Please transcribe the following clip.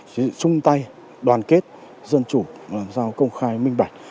chung tay đoàn kết dân chủ làm sao công khai minh bạch